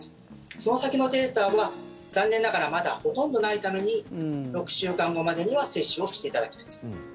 その先のデータは、残念ながらまだほとんどないために６週間後までには接種をしていただきたいんです。